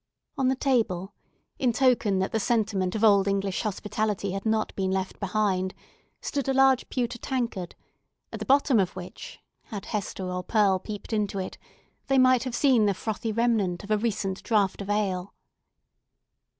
On the table—in token that the sentiment of old English hospitality had not been left behind—stood a large pewter tankard, at the bottom of which, had Hester or Pearl peeped into it, they might have seen the frothy remnant of a recent draught of ale.